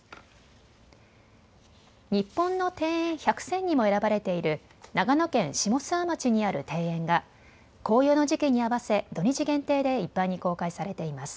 日本の庭園１００選にも選ばれている長野県下諏訪町にある庭園が紅葉の時期に合わせ土日限定で一般に公開されています。